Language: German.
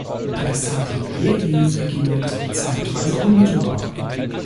Bersaglieri-Regiment zeitweise unmittelbar.